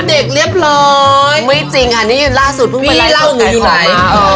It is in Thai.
เป็นเด็กเรียบร้อยไม่จริงค่ะนี่ล่าสุดเพิ่งไปไล่พี่เล่าหนูอยู่ไหน